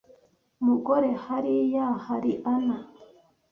mugore hariya hari Ana.